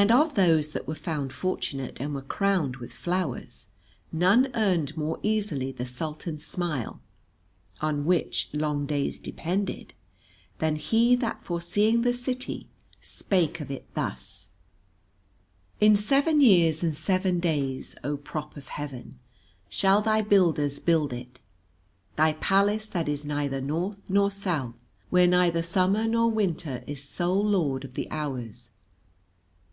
And of those that were found fortunate and were crowned with flowers none earned more easily the Sultan's smile (on which long days depended) than he that foreseeing the city spake of it thus: "In seven years and seven days, O Prop of Heaven, shall thy builders build it, thy palace that is neither North nor South, where neither summer nor winter is sole lord of the hours.